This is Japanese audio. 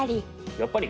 やっぱり？